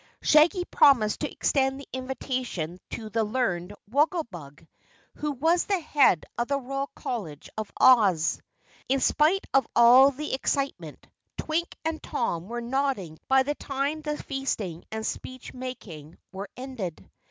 Shaggy promised to extend the invitation to the learned Wogglebug, who was head of the Royal College of Oz. In spite of all the excitement, Twink and Tom were nodding by the time the feasting and speech making were ended.